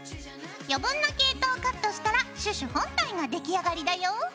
余分な毛糸をカットしたらシュシュ本体が出来上がりだよ。